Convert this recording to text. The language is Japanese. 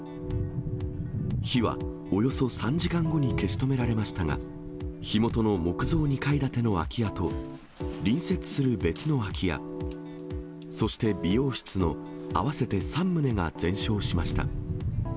火はおよそ３時間後に消し止められましたが、火元の木造２階建ての空き家と、隣接する別の空き家、そして美容室の合わせて３棟が全焼しました。